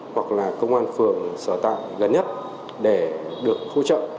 hoặc là công an phường sở tại gần nhất để được hỗ trợ